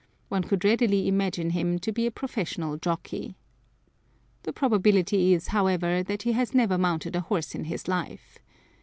One could readily imagine him to be a professional jockey. The probability is, however, that he has never mounted a horse in his life.